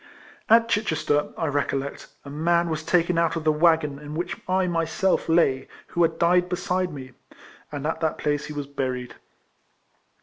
At Chichester, I recollect, a man was taken out of the waggon in which I ray self lay, who had died beside me; and at that place he was buried.